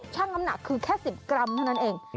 ช่างน้ำหนักคือแค่๑๐กรัมเท่านั้นเอง